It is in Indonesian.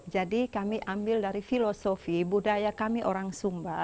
jadi kami ambil dari filosofi budaya kami orang sumba